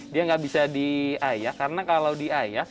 dia nggak bisa diayak karena kalau diayak